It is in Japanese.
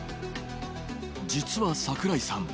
実は櫻井さん